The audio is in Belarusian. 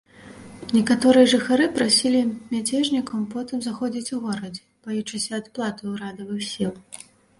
Некаторыя жыхары прасілі мяцежнікаў потым заходзіць у горадзе, баючыся адплаты урадавых сіл.